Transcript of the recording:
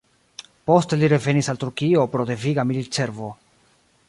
Poste li revenis al Turkio pro deviga militservo.